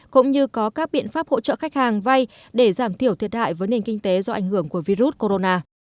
cũng như có các biện pháp hỗ trợ khách hàng vay để giảm thiểu thiệt hại với nền kinh tế do ảnh hưởng của virus corona